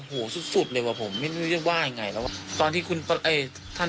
หูสุดสุดเลยว่ะผมไม่รู้จะว่ายังไงแล้วว่ะตอนที่คุณไอ้ท่าน